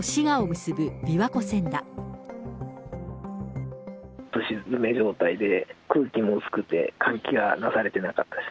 すし詰め状態で、空気も薄くて、換気がなされてなかったです。